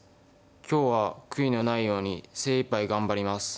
今日は悔いのないように精いっぱい頑張ります。